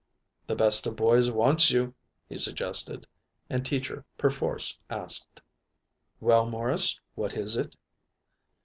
"The best of boys wants you," he suggested, and Teacher perforce asked: "Well, Morris, what is it?"